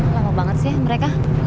lama banget sih mereka